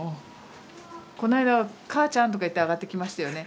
この間母ちゃんとか言って上がってきましたよね。